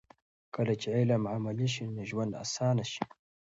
کله چې علم عملي شي، ژوند اسانه شي.